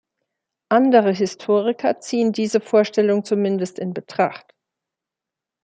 Andere Historiker ziehen diese Vorstellung zumindest in Betracht.